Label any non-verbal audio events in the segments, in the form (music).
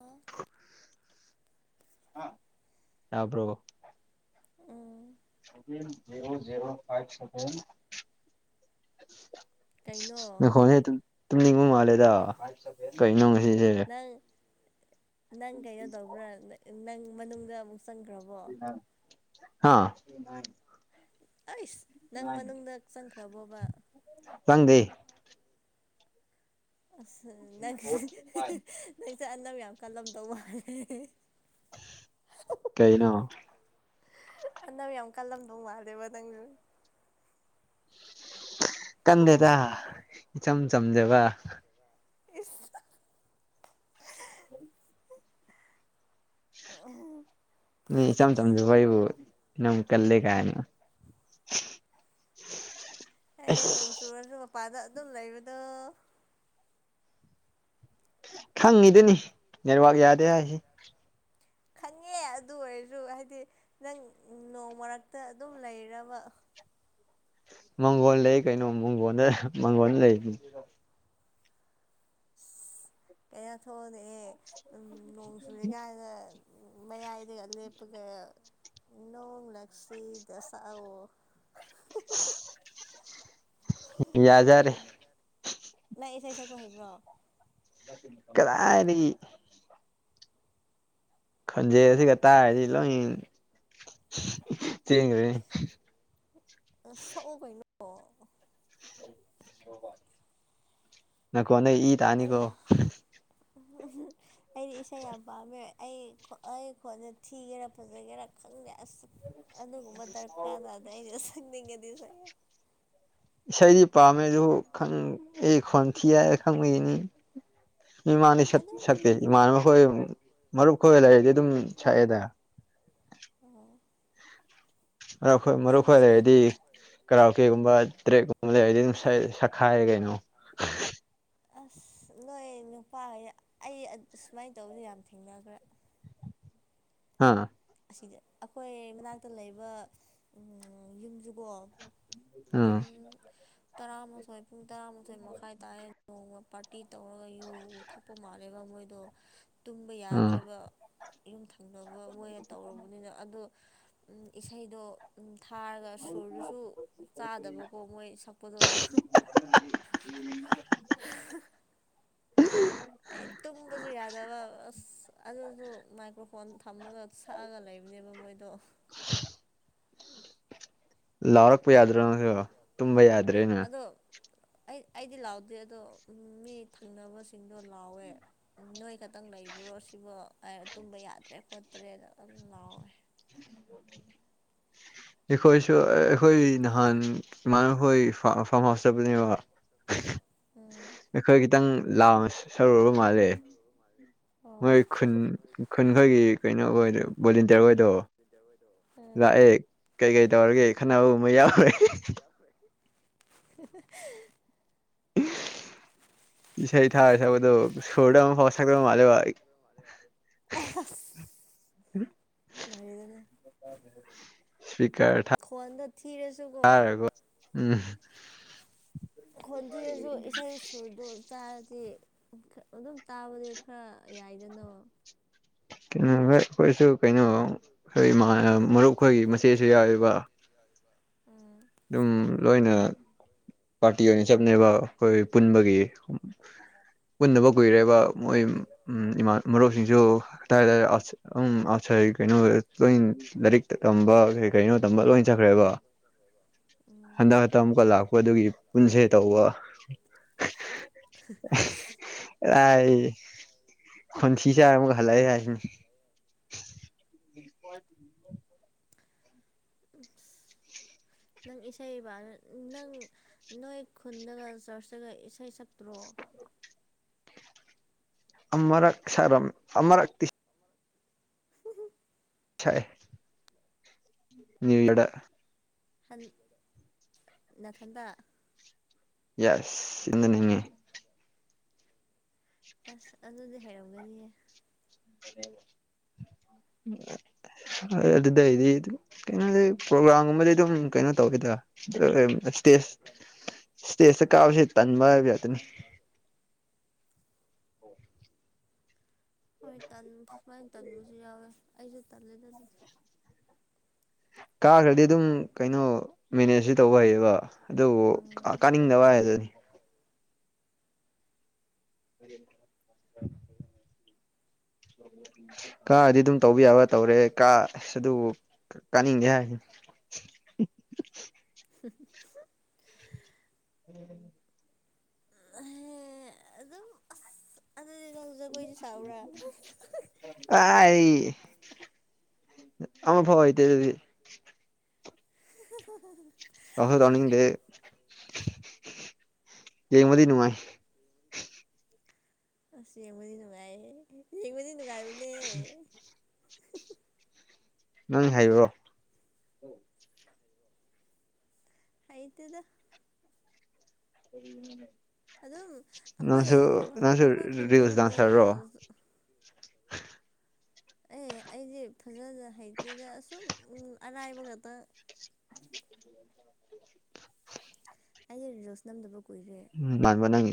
ꯑꯣ ꯌꯥꯕ꯭ꯔꯣꯚꯣ ꯎꯝ ꯚ ꯖꯦꯔꯣ ꯖꯦꯔꯣ ꯐꯥꯏꯚ ꯁꯚ ꯀꯩꯅꯣ ꯅꯈꯣꯏꯅꯦ ꯇꯨꯝꯅꯤꯡꯕ ꯃꯥꯜꯂꯦꯗ ꯀꯩꯅ ꯎꯝ ꯅꯪ ꯅꯪ ꯀꯩꯅꯣ ꯇꯧꯕ꯭ꯔꯥ ꯅꯪ ꯃꯅꯨꯡꯗ ꯑꯃꯨꯛ ꯆꯪꯈ꯭ꯔꯕꯣ ꯑꯥ ꯑꯩꯁ ꯅꯪ ꯃꯅꯨꯡꯗ ꯆꯪꯈ꯭ꯔꯕꯣꯕ ꯆꯪꯗꯦ ꯑꯁ ꯅꯪ ꯅꯪꯁ ꯑꯅꯝ ꯌꯥꯝ ꯀꯜꯂꯝꯗꯧ ꯃꯥꯜꯂꯦ ꯀꯩꯅꯩꯅ ꯑꯅꯧ ꯌꯥꯝ ꯀꯜꯂꯝꯗꯧ ꯃꯥꯜꯂꯦꯕ ꯅꯪꯁꯨ ꯀꯟꯗꯦꯗ ꯏꯆꯝ ꯆꯝꯖꯕ ꯏꯁ ꯑ ꯅ ꯏꯆꯝ ꯆꯝꯁꯨ ꯑꯩ ꯑꯩꯕꯨ ꯏꯝ ꯀꯜꯂꯦ ꯀꯑ ꯑꯩꯅꯦ ꯅꯣꯡ ꯆꯨꯔꯁꯨ ꯃꯄꯥꯗ ꯑꯗꯨꯝ ꯂꯩꯕꯗꯣ ꯈꯪꯉꯤꯗꯨꯅꯤ ꯅꯦꯠꯋꯥꯛ ꯌꯥꯗꯦ ꯎꯝ ꯍꯥꯏꯁꯤ ꯈꯪꯉꯦ ꯑꯗꯨ ꯑꯣꯏꯔꯁꯨ ꯍꯥꯏꯗꯤ ꯅꯪ ꯅꯣꯡ ꯃꯔꯛꯇ ꯑꯗꯨꯝ ꯂꯩꯔꯕ ꯃꯥꯡꯒꯣꯜ ꯂꯩ ꯀꯩꯅꯣ ꯃꯪꯒꯣꯜꯗ ꯃꯥꯡꯒꯣꯟꯜ ꯂꯩ ꯀꯩꯅꯌꯥ ꯊꯣꯛꯑꯂꯑꯦ ꯑꯗꯨ ꯅꯣꯡ ꯆꯨꯨꯔꯦ ꯀꯥꯏꯅ ꯃꯌꯥꯏꯗꯒ ꯂꯦꯞꯄꯒ ꯏꯅꯣ ꯂꯛꯁꯤ ꯗꯁꯥ ꯑꯣ ꯌꯥꯖꯔꯦ ꯅꯪ ꯏꯁꯩ ꯁꯛꯄꯨ ꯍꯩꯕ꯭ꯔꯣ ꯏ ꯀꯗꯥꯅꯤ ꯈꯟꯖꯦꯁꯤ ꯀ ꯇ ꯍꯥꯏꯁꯤꯂ ꯊꯦꯡꯉꯔꯤ ꯑ ꯁꯛꯑꯣ ꯀꯩꯅꯣ ꯅ ꯀꯣ ꯅ ꯏ ꯇꯥꯅꯤ ꯑꯩ ꯀꯣ ꯑꯩꯗꯤ ꯏꯁꯩ ꯌꯥꯝ ꯄꯥꯝꯃꯦ ꯑꯩ ꯑꯩ ꯈꯣꯟꯅ ꯊꯤꯒꯦꯔꯥ ꯐꯖꯒꯦꯔꯥ ꯈꯪꯗꯦ ꯑꯁ ꯑꯗꯨꯒꯨꯝꯕ ꯗꯔꯀꯥꯔꯗꯗ ꯑꯩꯅ ꯁꯪꯅꯤꯡꯉꯗꯤ ꯁꯗꯤ ꯄꯥꯝꯃꯦꯗꯨꯣ ꯈꯪ ꯑꯦ ꯈꯪ ꯊꯤ ꯌꯥ ꯈꯪꯅꯤ ꯏꯃꯥꯅꯤ ꯑꯗꯨꯝ ꯁꯛꯇꯦ ꯏꯃꯥ ꯑꯩꯈꯣꯏ ꯃꯔꯨꯞ ꯈꯣꯏ ꯂꯩꯔꯗꯤ ꯑꯗꯨꯝ ꯁꯛꯑꯦꯗ ꯑꯣ ꯃꯔꯣꯏ ꯃꯔꯨꯞ ꯈꯣꯏ ꯂꯩꯔꯗꯤ ꯀꯔꯥꯎ ꯀꯦꯒꯨꯝꯕ ꯇ꯭ꯔꯦꯀꯨꯝꯕ ꯂꯩ ꯑꯩꯗꯤ ꯑꯗꯨꯝ ꯁꯛꯈꯥꯏꯔꯦ ꯀꯩꯅꯣ ꯑꯁ ꯅꯣꯏ ꯅꯨꯄꯥꯈ ꯑꯩ ꯁꯨꯃꯥꯏꯅ ꯇꯧꯕꯗ ꯌꯥꯝ ꯊꯦꯡꯅꯈ꯭ꯔꯥ ꯑꯥ ꯁꯤꯗ ꯑꯩꯈꯣꯏ ꯃꯅꯥꯛꯇ ꯂꯩꯕ ꯌꯨꯝꯁꯤꯕꯣ ꯎꯝ ꯄꯨꯡ ꯇꯔꯥꯃꯥꯊꯣꯏ ꯄꯨꯡ ꯇꯔꯥꯃꯥꯊꯣꯏ ꯃꯈꯥꯏ ꯇꯥꯏꯦꯣꯡ ꯄꯥꯔꯇꯤ ꯇꯧꯔꯒ ꯌꯨ ꯊꯛꯄ ꯃꯥꯜꯂꯦꯕ ꯃꯣꯏꯗꯣ ꯇꯨꯝꯕ ꯎꯝ ꯌꯥꯗ꯭ꯔꯦꯕ ꯌꯨꯝꯊꯪꯅꯕ ꯃꯣꯏꯅ ꯇꯧꯨꯔꯕꯅꯤꯅ ꯑꯗꯣ ꯏꯁꯩꯗ ꯊꯥꯔꯒ ꯁꯨꯔꯗꯨꯁꯨ ꯆꯥꯗꯕꯀꯣ ꯃꯣꯏ ꯁꯛꯄꯗꯣ ꯎ ꯎ ꯑꯩ ꯇꯨꯝꯕꯁꯨ ꯌꯥꯗꯕ ꯑꯁ ꯑꯗꯨꯁꯨ ꯃꯥꯏꯀ꯭ꯔꯣꯐꯣꯟ ꯊꯝꯃꯒ ꯁꯛꯑꯒ ꯂꯩꯕꯅꯦꯕ ꯃꯣꯏ ꯑꯩꯈꯣꯏꯗꯣ (unintelligible) ꯂꯥꯎꯔꯛꯄ ꯌꯥꯗ꯭ꯔꯣ ꯅꯪꯁꯨ ꯇꯨꯝꯕ ꯌꯥꯔꯦ ꯑꯗꯣ (unintelligible) ꯑꯩ ꯑꯩꯗꯤ ꯂꯥꯎꯗꯦ ꯑꯗꯣ ꯃꯤ ꯊꯪꯅꯕꯁꯤꯡꯗꯣ ꯂꯥꯎꯋꯦ ꯅꯣꯏ ꯈꯛꯇꯪ ꯂꯩꯕ꯭ꯔꯣ ꯣ ꯁꯤꯕꯨ ꯇꯨꯝꯕ ꯌꯥꯗ꯭ꯔꯦ ꯈꯣꯠꯇ꯭ꯔꯦꯅ ꯑꯗꯨꯝ ꯂꯥꯎꯋꯦ (unintelligible) ꯑꯩꯈꯣꯏꯁꯨ ꯑꯩꯈꯣꯏ ꯅꯍꯥꯟ ꯏꯃꯥꯟꯅꯈꯣꯏ ꯐꯥꯔꯝ ꯍꯥꯎꯁ ꯆꯕꯅꯦꯕ ꯎꯝ ꯑꯩꯈꯣꯏ ꯈꯤꯇꯪ ꯂꯥꯎ ꯁꯔꯨꯔꯕ ꯃꯥꯜꯂꯦ ꯑꯣ ꯃꯣꯏ ꯈꯨꯟ ꯈꯨꯟ ꯈꯣꯏꯒꯤ ꯀꯩꯅꯣ ꯑꯣꯏ ꯚꯣꯂꯦꯟꯇꯤꯌꯥꯔ ꯑꯣꯏꯗꯣ ꯎꯝ ꯂꯥꯛꯑꯦ ꯀꯩ ꯀꯩ ꯇꯧꯔꯒꯦ ꯈꯟꯅꯕꯒꯨꯝꯕ ꯌꯥꯎꯔꯦ (unintelligible) ꯁꯦ ꯊꯥꯔ ꯁꯕꯗꯨꯣ ꯁꯔꯗ ꯑꯃ ꯐꯁ ꯊꯗ ꯃꯥꯜꯦ ꯋꯥ (unintelligible) ꯂꯔꯦꯗꯅ ꯈꯋꯥꯟꯗ ꯌꯥꯔꯦꯣ ꯎꯝ ꯈꯣꯟꯊꯤꯔꯁꯨ ꯏꯁꯩ ꯁꯨꯔꯗꯣ ꯆꯥꯔꯗꯤ ꯑꯗꯨꯝ ꯇꯥꯕꯗꯤ ꯈꯔ ꯌꯥꯏꯗꯅ ꯀ ꯀꯣꯏꯁꯨ ꯀꯩꯅꯣ ꯑꯩꯈꯣꯏ ꯃꯔꯨꯞꯈꯣꯏꯒꯤ ꯃꯆꯦꯠꯁꯨ ꯌꯥꯎꯋꯕ ꯎꯝ ꯑꯗꯨꯝ ꯂꯣꯏꯅ ꯄꯥꯔꯇꯤ ꯑꯣꯏꯅ ꯆꯞꯅꯦꯕ ꯑꯩꯈꯣꯏ ꯄꯨꯟꯕꯒꯤ ꯄꯨꯟꯅꯕ ꯀꯨꯏꯔꯦꯕ ꯃꯣꯏ ꯎ ꯏꯃꯥ ꯃꯔꯣꯛꯁꯤꯡꯁꯨ ꯍꯥꯏ ꯎ ꯀ ꯀꯩꯅꯣ ꯂꯣꯏ ꯂꯥꯏꯔꯤꯛꯇ ꯇꯝꯕ ꯀ ꯀꯩꯅꯣ ꯇꯝꯕ ꯂꯣꯏ ꯆꯠꯈ꯭ꯔꯦꯕ ꯍꯟꯗꯛꯛꯇ ꯑꯃꯨꯛꯀ ꯂꯥꯛꯄ ꯑꯗꯨꯒꯤ ꯄꯨꯟꯁꯦ ꯇꯧꯕ (inaudible) ꯇꯥꯏ ꯈꯟꯁꯤ ꯆ ꯑꯃ ꯍꯂꯥꯏ ꯍꯥꯏꯅꯤ (unintelligible) ꯎ (inaudible) ꯅꯪ ꯏꯁꯩ ꯅꯪ ꯅꯣꯏ ꯈꯨꯟꯗꯒ ꯆꯔꯆꯇꯒ ꯏꯁꯩ ꯁꯛꯇ꯭ꯔꯣ (inaudible) ꯑꯔ ꯁꯔꯝ ꯑꯔ (inaudible) ꯃꯤꯗꯥ ꯍꯟ ꯅꯅꯥꯊꯟꯗ ꯌꯥꯁ ꯏꯅꯦꯉ ꯑꯁ ꯑꯗꯨꯗꯤ ꯍꯥꯏꯔꯝꯒꯅꯤꯌꯦ ꯎꯝ ꯑꯗꯨꯗꯩꯗꯤ ꯀꯩꯅꯣꯗꯩ ꯄ꯭ꯔꯣꯒ꯭ꯔꯥꯝꯒꯨꯝꯕꯗꯤꯩ ꯑꯗꯨꯝ ꯀꯩꯅꯣ ꯇꯧꯋꯦꯗ ꯏꯁꯇꯦꯖ ꯏꯁꯇꯦꯖꯇ ꯀꯥꯕꯕꯁꯤꯦ ꯇꯟꯕ ꯍꯥꯏꯕ ꯌꯥꯗꯅꯤ ꯑꯣ ꯍꯣꯏ ꯁꯨꯃꯥꯏꯅ ꯇꯟꯕꯁꯨ ꯌꯥꯎꯋꯦ ꯑꯩꯁꯨ ꯇꯜꯂꯦꯗ ꯑꯗꯨꯗꯤ ꯀꯥꯈ꯭ꯔꯗꯤ ꯑꯗꯨꯝ ꯀꯩꯅꯣ ꯃꯦꯅꯦꯖꯁꯤ ꯇꯧꯕ ꯍꯩꯌꯦꯕ ꯑꯗꯨꯕꯨ ꯎꯝ ꯀꯥꯅꯤꯡꯗꯕ ꯍꯥꯏꯗꯨꯅꯤ (unintelligible) ꯀꯥꯔꯗꯤ ꯑꯗꯨꯝ ꯇꯧꯕ ꯌꯥꯕ ꯇꯧꯔꯦ ꯀ ꯑꯗꯨꯕꯨ ꯀꯥꯅꯤꯡꯗꯦ ꯍꯥꯏꯁꯤ (inaudible) (inaudible) (inaudible) ꯑꯗꯨ ꯑꯗꯨꯝ ꯑ ꯀꯥꯏ ꯑꯃ ꯐꯥꯎ ꯍꯗꯦ ꯑꯗꯨꯗꯤ (unintelligible) ꯑꯍꯗꯅꯤꯡꯗꯦ ꯌꯦ ꯃꯗꯤ ꯅꯨꯅꯨꯡꯉꯥꯏ ꯑ ꯆꯡꯃ ꯅꯨꯡꯒꯥꯏꯌꯦ ꯆꯃꯅꯤ ꯅꯨꯡꯒꯥꯏꯕꯨꯅꯦ ꯅꯪ ꯍꯥꯏꯌꯣ ꯑ ꯇꯗ ꯎ ꯑꯗꯨꯝ ꯑꯩꯈꯣꯏ ꯅꯪꯁꯨ ꯑꯩꯈꯣꯏ ꯔꯤꯜꯁ ꯈꯨꯟꯗꯒꯨꯝꯕ ꯗꯥꯟꯁꯔꯔꯣ ꯑꯦ ꯑꯩꯁꯦ ꯐꯖꯅ ꯍꯩꯇꯦꯗ ꯑꯁꯨꯝ ꯑꯔꯥꯏꯕ ꯈꯛꯇ ꯑꯩ ꯔꯣꯁ ꯅꯝꯗꯕ ꯀꯨꯏꯔꯦ ꯎꯝ ꯂꯥꯟꯕ ꯅꯦ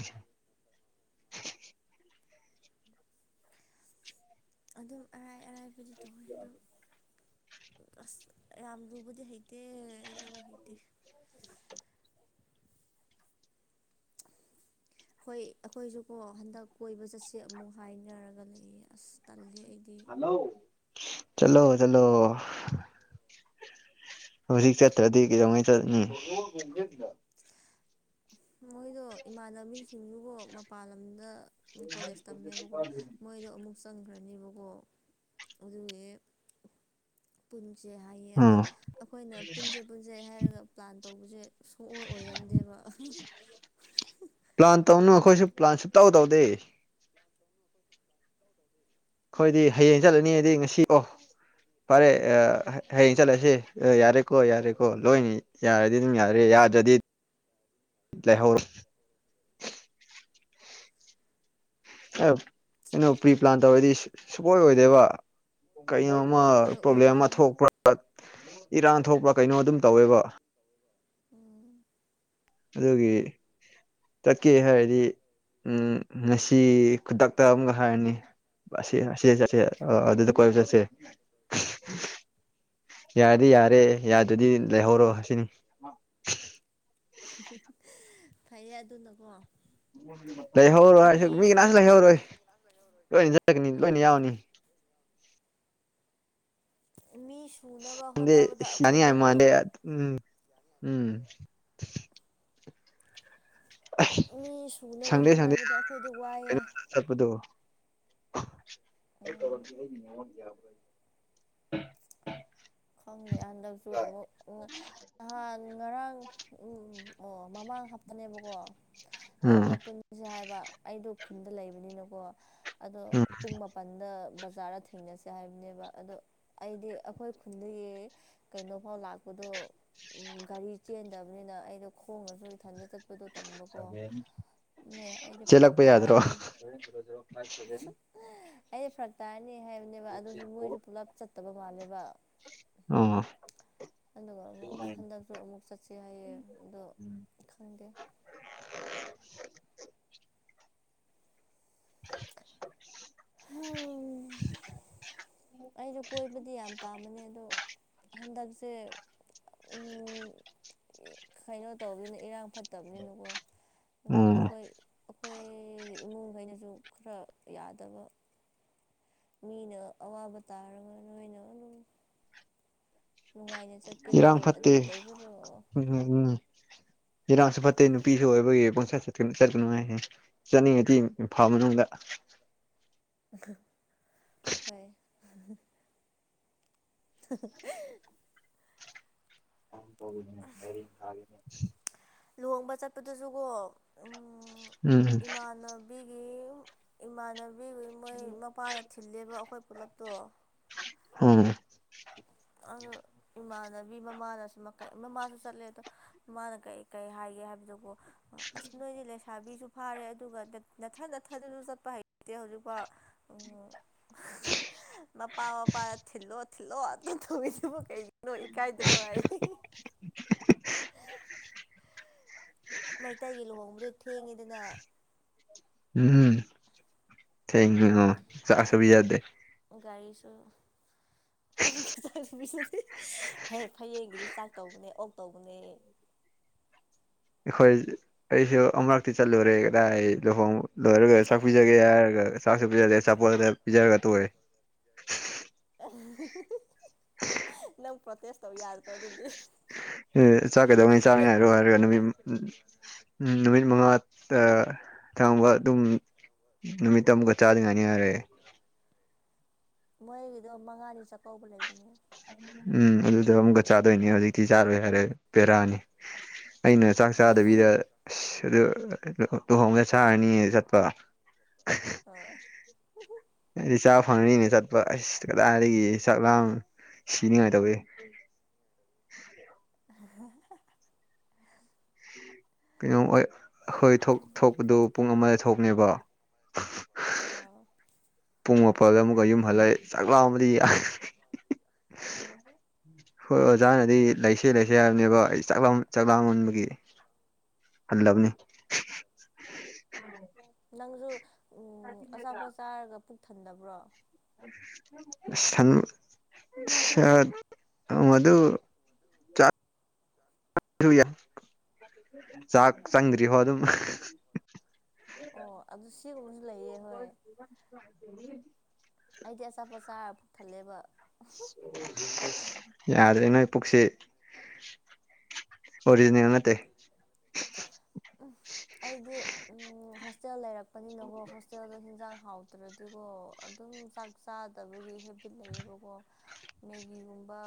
ꯑꯗꯨꯝ ꯑꯔꯥꯏ ꯑꯔꯥꯏꯕꯗꯨ ꯇꯣ ꯌꯥ ꯑꯁ ꯌꯥꯝ ꯂꯨꯕꯗꯤ ꯍꯩꯇꯦ ꯑꯩ ꯖꯕꯣꯏ ꯍꯩꯇꯦ (inaudible) ꯍꯣꯏ ꯑꯩꯈꯣꯏꯁꯨꯀꯣ ꯍꯟꯗꯛ ꯀꯣꯏꯕ ꯆꯠꯁꯦ ꯑꯃꯨꯛ ꯍꯥꯏꯅꯔꯒ ꯂꯩ ꯑꯁ ꯇꯜꯂꯦ ꯑꯩꯗꯤ ꯍꯂꯣ ꯆꯂꯣ ꯆꯂꯣ ꯍꯧꯖꯤꯛ ꯆꯠꯇ꯭ꯔꯗꯤ ꯀꯩꯗꯧꯉꯩ ꯆꯠꯅꯤ ꯃꯣꯏꯗꯣ ꯏꯃꯥꯟꯅꯕꯤꯁꯤꯡꯗꯨꯕꯨ ꯃꯄꯥꯟ ꯂꯝꯗ ꯀꯣꯂꯦꯖ ꯇꯝꯃꯦꯕꯀꯣ ꯃꯣꯏꯗꯣ ꯑꯃꯨꯛ ꯆꯪ ꯐꯔꯅꯦꯕꯀꯣ ꯑꯗꯨꯒꯤꯟ ꯁꯦ ꯍꯥꯏꯌꯦ ꯑꯗꯣ ꯎꯝ ꯑꯩꯈꯣꯏꯅ ꯄꯨꯟꯁꯩ ꯄꯨꯟꯁꯩ ꯍꯥꯏꯔꯒ ꯄ꯭ꯂꯥꯟ ꯇꯧꯕꯁꯦ ꯁꯣꯛꯑꯣ ꯑꯣꯏꯔꯟꯗꯦꯕ ꯄ꯭ꯂꯥꯟ ꯇꯧꯅꯨ ꯑꯩꯈꯣꯏꯁꯨ ꯄ꯭ꯂꯥꯟ ꯁ ꯇꯧ ꯇꯧꯗꯦ ꯑꯩꯣꯏꯗꯤ ꯎꯝ ꯍꯌꯦꯡ ꯆꯠꯂꯅꯤꯗꯤ ꯉꯁꯤ ꯑꯣ ꯐꯔꯦ ꯍꯌꯦꯡ ꯆꯠꯂꯁꯤ ꯌꯥꯔꯦꯀꯣ ꯌꯥꯔꯦꯀꯣ ꯂꯣꯏꯅꯤ ꯌꯥꯔꯗꯤ ꯑꯗꯨꯝ ꯌꯥꯔꯦ ꯌꯥꯗ꯭ꯔꯗꯤ ꯂꯍꯣꯔ ꯑꯦ ꯀꯩꯅꯣ ꯄ꯭ꯔꯤ ꯄ꯭ꯂꯥꯟ ꯇꯧꯋꯦꯗꯤ ꯁꯨꯡꯄꯣꯏ ꯑꯣꯏꯗꯦꯕ ꯀꯩꯅꯣꯝꯃ ꯍꯣꯏ ꯄ꯭ꯔꯣꯕ꯭ꯂꯦꯝ ꯑꯃ ꯑꯣꯏꯗꯕꯅꯦ ꯊꯣꯛꯄ꯭ꯔꯥ ꯏꯔꯥꯡ ꯊꯣꯛꯄ꯭ꯔꯥ ꯀꯩꯅꯣ ꯑꯗꯨꯝ ꯇꯧꯋꯦꯕ ꯎꯝ ꯑꯗꯨꯒꯤ ꯇꯛꯀꯦ ꯍꯥꯏꯔꯗꯤ ꯎꯝ ꯉꯁꯤ ꯈꯨꯗꯛꯇ ꯑꯃꯒ ꯍꯥꯏꯔꯅꯤ ꯑꯁꯤ ꯑꯁꯤ ꯆꯠꯁꯦ ꯑ ꯑꯗꯨꯗ ꯀꯣꯏꯕ ꯆꯠꯁꯦ ꯌꯥꯔꯗꯤ ꯌꯥꯔꯦ ꯌꯥꯗꯗꯤ ꯂꯩꯍꯧꯔꯣ ꯑꯁꯤꯅꯤ ꯐꯩꯌꯦ ꯑꯗꯨꯅꯀꯣ ꯍ ꯔꯣ ꯃꯤ ꯃꯤꯒꯤ ꯅꯅꯥꯆꯂ ꯍꯧꯔꯣ ꯁꯨꯅꯕ ꯂꯣꯏꯅ ꯆꯠꯂꯒꯅꯤ ꯂꯣꯏꯅ ꯑꯥ ꯌꯥꯎꯅꯤ ꯃꯤ ꯁꯨꯅꯕ ꯁꯗꯦ ꯍꯣꯠꯅꯕꯗ ꯁꯅꯤ ꯍꯥꯏ ꯑꯩꯈꯣꯏꯗꯤꯀꯣ ꯃꯗꯦ ꯎꯝ ꯎꯝ ꯑꯩ ꯃꯤ ꯁꯨꯅꯕ ꯁꯪꯗꯦ ꯁꯪꯗꯦ ꯍꯣꯠꯅꯕꯗ ꯑꯩꯈꯣꯏꯗꯤ ꯋꯥꯏꯑꯦ ꯑꯩ ꯇ ꯋꯥ ꯎꯝ (unintelligible) ꯈꯪꯗꯦ ꯍꯟꯗꯛꯁꯨ ꯑꯃꯨꯛ ꯅꯍꯥꯟ ꯉꯔꯥꯡ ꯎ ꯑꯣ ꯃꯃꯥꯡ ꯅꯦꯕꯀꯣ ꯎꯝ ꯑꯗꯨꯅ ꯄꯨꯟꯁꯦ ꯍꯥꯏꯕ ꯑꯩꯗꯣ ꯈꯨꯟꯗ ꯂꯩꯕꯅꯤꯅꯀꯣ ꯑꯗꯣ ꯎꯝ ꯄꯨꯡ ꯃꯥꯄꯜꯗ ꯕꯖꯥꯔꯗ ꯊꯦꯡꯅꯁꯦ ꯍꯥꯏꯕꯅꯦꯕ ꯑꯗꯣ ꯑꯩꯗꯤ ꯑꯩꯈꯣꯏ ꯈꯨꯟꯂꯨꯑ ꯀꯩꯅꯣꯐꯥꯎ ꯂꯥꯛꯄꯗꯣ ꯒꯥꯔꯤ ꯆꯦꯟꯗꯕꯅꯤꯅ ꯑꯩꯗꯣ ꯈꯣꯡꯉꯁꯨ ꯅ ꯏꯊꯟꯗ ꯆꯠꯄꯗꯣ ꯇꯟꯕꯀꯣ ꯑꯩꯗꯤ ꯐꯔꯛ ꯇꯥꯔꯅꯤ ꯗꯅꯤ ꯑꯩꯁ ꯐꯔꯛ ꯇꯥꯔꯅꯤ ꯍꯥꯏꯕꯅꯦꯕ ꯑꯗꯨꯁꯨ ꯃꯣꯏꯁꯨ ꯄꯨꯂꯞ ꯆꯠꯇꯕ ꯃꯥꯜꯂꯦꯕ ꯑꯣ ꯑꯗꯨꯒ ꯑꯃꯨꯛ ꯍꯟꯗꯛꯁꯨ ꯑꯃꯨꯛ ꯆꯠꯁꯦ ꯍꯥꯏꯌꯦꯦ ꯑꯗꯣ ꯈꯪꯗꯦ (inaudible) (inaudible) (inaudible) ꯑꯩꯁꯨ ꯀꯣꯏꯕꯗꯤ ꯌꯥꯝ ꯄꯥꯝꯕꯅꯦ ꯑꯗꯣ ꯍꯟꯗꯛꯁꯦ ꯎꯝ ꯀꯩꯅꯣ ꯇꯧꯕꯅꯤꯅ ꯏꯔꯥꯡ ꯐꯠꯇꯕꯅꯤꯅꯀꯣ ꯑꯗꯨꯝ ꯎꯝ ꯑꯩꯈꯣꯏ ꯑꯩꯈꯣꯏꯒꯤ ꯏꯃꯨꯡꯈꯩꯅꯁꯨ ꯈꯔ ꯌꯥꯗꯕ ꯃꯤꯅ ꯑꯋꯥꯕ ꯇꯥꯔꯒ ꯅꯣꯏꯅ ꯑꯗꯨꯝ ꯅꯨꯡꯉꯥꯏꯅ ꯆꯠꯀꯦꯔꯣ ꯏꯔꯥꯡ ꯑꯗꯨ ꯐꯠꯇꯦ ꯇꯧꯒꯦꯔꯣ (inaudible) ꯏꯔꯥꯡꯁꯨ ꯐꯠꯇꯦ ꯅꯨꯄꯤꯁꯨ ꯑꯣꯏꯕꯒꯤ ꯄꯣꯡꯆꯠ ꯆꯠꯄ ꯅꯨꯡꯉꯥꯏ ꯆꯠꯅꯤꯡꯉꯗꯤ ꯏꯝꯐꯥꯜ ꯃꯅꯨꯡꯗ (unintelligible) ꯍꯣꯏ (inaudible) ꯃꯔꯤꯅꯦ ꯂꯨꯍꯣꯡꯕ ꯆꯠꯄꯗꯁꯨꯀꯣ ꯎꯝ ꯏꯃꯥꯟꯅꯕꯤꯒꯤ ꯏꯃꯥꯟꯅꯕꯤ ꯃꯣꯏ ꯃꯄꯥꯅ ꯊꯤꯜꯂꯦꯕ ꯑꯩꯈꯣꯏ ꯄꯨꯂꯞꯇꯣ ꯍꯝ ꯑꯗ ꯏꯃꯥꯟꯅꯕꯤ ꯃꯃꯥꯅꯁꯨ ꯃꯃꯥꯁꯨ ꯆꯠꯂꯦ ꯑꯗꯣ ꯃꯃꯥꯅ ꯀꯩ ꯀꯩ ꯍꯥꯏꯒꯦ ꯍꯥꯏꯕ ꯑꯗꯨꯕꯨ ꯑꯁ ꯅꯣꯏꯗꯤ ꯂꯩꯁꯥꯕꯤꯁꯨ ꯐꯥꯔꯦ ꯑꯗꯨꯒ ꯅꯊꯠ ꯊꯗꯁꯨ ꯆꯠꯄ ꯍꯩꯇꯦ ꯍꯧꯖꯤꯛꯐꯥꯎ ꯃꯄꯥ ꯃꯄꯥꯗ ꯊꯤꯜꯂꯣ ꯊꯤꯜꯂꯣ ꯑꯝ ꯇꯧꯅꯦꯕ ꯀꯩ ꯅꯣ ꯏꯀꯥꯏꯗ꯭ꯔꯣ ꯍꯥꯏ ꯃꯩꯇꯩꯒꯤ ꯂꯨꯍꯣꯡꯕꯗꯤ ꯊꯦꯡꯉꯤꯗꯅ ꯎꯝ ꯊꯦ (inaudible) ꯒꯥꯔꯤ ꯒꯥꯔꯤ ꯑ (inaudible) ꯍꯦ ꯐꯌꯦꯡꯒꯤꯗꯤ ꯆꯥꯛ ꯇꯧꯕꯅꯦ ꯑꯣꯛ ꯇꯧꯕꯅꯦ (unintelligible) ꯑꯩꯈꯣꯏ ꯑꯩꯁꯨ ꯑꯃꯨꯔꯛꯇꯤ ꯆꯠꯂꯨꯔꯦ ꯀꯗꯥꯏ ꯂꯨꯍꯣꯡ ꯂꯣꯏꯔꯒ ꯆꯥꯛꯄꯤꯖꯒꯦ ꯍꯥꯏꯔꯒ ꯆꯥꯛꯁꯨ ꯄꯤꯖꯔꯦ ꯑꯆꯥꯄꯣꯠ ꯄꯤꯖꯔꯒ ꯇꯣꯏꯑꯦ ꯅꯪ ꯄ꯭ꯔꯣꯇꯦꯁ ꯇꯧ ꯌꯥꯗ꯭ꯔꯣ ꯑꯗꯨꯗꯤ ꯑꯦ ꯆꯥꯛꯀꯗꯧꯅꯤ ꯆꯥꯅꯤ ꯍꯥꯏꯔꯣ ꯍꯥꯏꯔꯒ ꯅꯨꯃꯤꯠ ꯎꯝ ꯅꯨꯃꯤꯠ ꯃꯉꯥ ꯊꯥꯡꯕ ꯑꯗꯨꯝ ꯅꯨꯃꯤꯠꯇ ꯑꯃꯨꯛꯀ ꯆꯥꯗ ꯉꯅꯤ ꯌꯥꯔꯦ ꯃꯣꯏꯒꯤꯗꯣ ꯃꯉꯥꯅꯤ ꯆꯥꯛꯀꯧꯕ ꯂꯩꯕꯅꯦ ꯎꯝ ꯑꯗꯨꯗ ꯑꯃꯨꯛꯀ ꯆꯥꯗꯣꯏꯅꯤ ꯍꯧꯖꯤꯛꯇꯤ ꯆꯥꯔꯣꯏ ꯍꯥꯏꯔꯦ ꯄꯦꯔꯥꯅꯤ ꯑꯩꯅ ꯆꯥꯛ ꯆꯥꯗꯕꯤꯗ ꯑꯁ ꯂꯨꯍꯣꯡꯒ ꯁꯥꯔꯅꯤꯌꯦ ꯆꯠꯄ ꯑꯥ ꯑꯩꯗꯤ ꯆꯥꯛ ꯐꯪꯔꯤꯅꯦ ꯆꯠꯄ ꯑꯁ ꯀꯗꯥꯏꯗꯒꯤ ꯆꯥꯛ ꯂꯥꯡ ꯁꯤꯅꯤꯉꯥꯏ ꯇꯧꯑ ꯑ (inaudible) ꯀꯩꯅꯣꯝ ꯑꯩꯈꯣꯏ ꯊꯣꯛꯄꯗꯨ ꯄꯨꯡ ꯑꯃꯗ ꯊꯣꯛꯅꯦꯕ ꯑꯣ ꯄꯨꯡ ꯃꯥꯄꯜꯗ ꯑꯃꯨꯛꯀ ꯌꯨꯝ ꯍꯜꯂꯦ ꯆꯥꯛꯂꯥꯎ ꯑꯃꯗꯤ ꯍꯣꯏ ꯑꯣꯖꯥꯅꯗꯤ ꯂꯩꯁꯦ ꯂꯩꯁꯦ ꯍꯥꯏꯕꯅꯦꯕꯣ ꯑꯩ ꯆꯥꯛꯥ ꯆꯥꯛꯂꯥꯃꯣꯟꯕꯒꯤ ꯍꯜꯂꯕꯅꯤ (inaudible) ꯅꯪꯁꯨ ꯎ ꯑꯆꯥꯄꯣꯠ ꯆꯥꯔꯒ ꯄꯨꯛ ꯊꯟꯗꯕ꯭ꯔꯣ ꯁ ꯃꯗꯨ ꯆ ꯆꯥꯛ ꯆꯪꯗ꯭ꯔꯤꯍꯣ ꯑꯗꯨꯝ (inaudible) ꯑꯣ ꯑꯗꯨ ꯁꯤꯒꯨꯝꯕꯁꯨ ꯂꯩꯌꯦ ꯍꯣꯏ ꯑꯩꯗꯤ ꯑꯆꯥꯄꯣꯠꯆꯥ ꯄꯨꯛꯊꯜꯂꯦꯕ ꯌꯥꯔꯦ ꯅꯣꯏ ꯄꯨꯛꯁꯤ ꯑꯣꯔꯤꯖꯅꯦꯜ ꯅꯠꯇꯦ ꯎꯝ ꯑꯩꯗꯤ ꯎꯝ ꯍꯣꯁꯇꯦꯜ ꯂꯩꯔꯛꯄꯅꯤꯅꯀꯣ ꯍꯣꯁꯇꯦꯜꯗꯣ ꯍꯦꯟꯖꯥꯡ ꯍꯥꯎꯇ꯭ꯔꯗꯤꯀꯣ ꯑꯗꯨꯝ ꯆꯥꯛ ꯆꯥꯗꯕꯒꯤ ꯍꯦꯕꯤꯠ ꯂꯩꯌꯦꯕꯀꯣ ꯃꯦꯒꯤꯒꯨꯝꯕ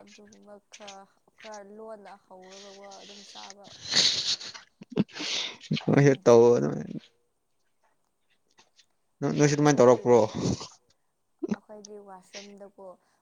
ꯑꯗꯨꯒꯨꯝꯕ ꯈꯔ ꯈꯔ ꯂꯣꯟꯅ ꯍꯧꯔꯒꯕꯨ ꯑꯗꯨꯝ ꯆꯥꯕ (inaudible) ꯅꯣꯏꯁꯨ ꯑꯗꯨꯃꯥꯏꯅ ꯑꯩꯈꯣꯏꯗꯤ ꯇꯧꯔꯛꯄ꯭ꯔꯣ ꯋꯥ ꯃꯝꯗꯀꯣ